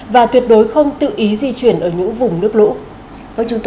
và tuyệt đối không tự ý di chuyển ở những vùng nước lũ